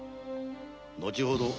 後ほど